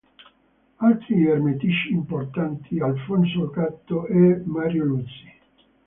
Altri ermetici importanti: Alfonso Gatto e Mario Luzi.